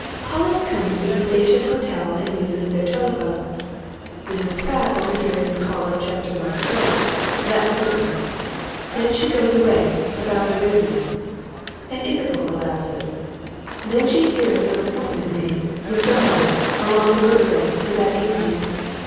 Hollis comes to the Station Hotel and uses their telephone. Mrs. Pratt overhears him call up Chestermarke's Bank that's certain. Then she goes away, about her business. An interval elapses. Then she hears some appointment made, with somebody, along the river bank, for that evening.